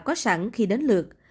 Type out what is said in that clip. có sẵn khi đến lượt